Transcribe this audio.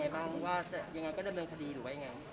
ยังไงบ้างก็จะเมินคดีก็ยังไง